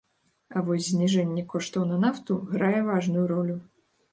А вось зніжэнне коштаў на нафту грае важную ролю.